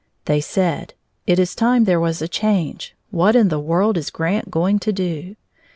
They said: "It is time there was a change what in the world is Grant going to do?"